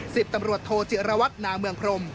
สิบตำรวจโทจิรวัตนาเมืองพรม